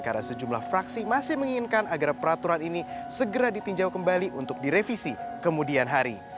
karena sejumlah fraksi masih menginginkan agar peraturan ini segera ditinjau kembali untuk direvisi kemudian hari